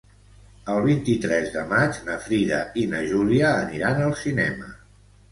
El vint-i-tres de maig na Frida i na Júlia aniran al cinema.